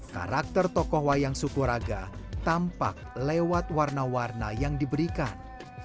karakter tokoh wayang sukuraga tampak lewat warna warna yang diberikan